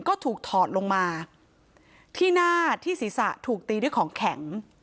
ก็ถูกถอดลงมาที่หน้าที่ศีรษะถูกตีด้วยของแข็ง